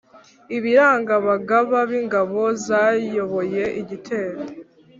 ibiranga abagaba b'ingabo zayoboye igitero